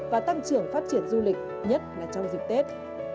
và tăng trưởng phát triển du lịch nhất là trong dịp tết